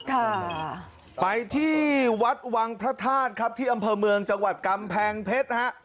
ค่ะไปที่วัดวังพระธาตุครับที่อำเภอเมืองจังหวัดกำแพงเพชรนะฮะ